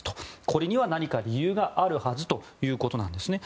これには何か理由があるはずということなんですね。